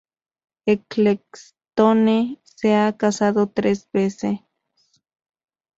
Ecclestone se ha casado tres veces.